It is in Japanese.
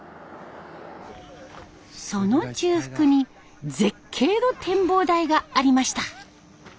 その中腹に絶景の展望台がありました。